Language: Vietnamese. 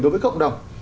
đối với cộng đồng